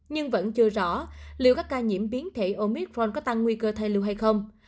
nhưng vẫn chưa rõ liệu các ca nhiễm biến thể omicron có tăng nguy cơ thai lưu hay không